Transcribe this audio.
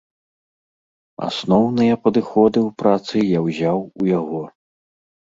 Асноўныя падыходы ў працы я ўзяў у яго.